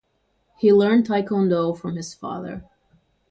He learned taekwondo from his father.